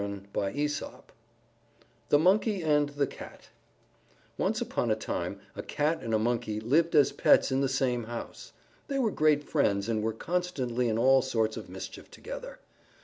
_ THE MONKEY AND THE CAT Once upon a time a Cat and a Monkey lived as pets in the same house. They were great friends and were constantly in all sorts of mischief together.